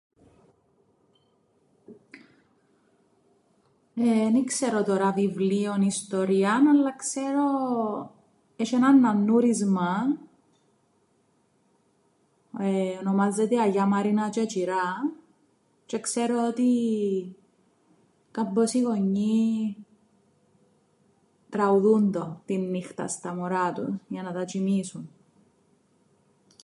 Εν ι-ξέρω τωρά βιβλίον, ιστορίαν, αλλά ξέρω έσ̆ει έναν ναννούρισμαν, ονομάζεται Αγιά Μαρίνα τζ̆αι τζ̆υρά, τζ̆αι ξέρω ότι κάμποσοι γονιοί τραουδούν το την νύχταν στα μωρά τους για να τα τζ̆οιμήσουν.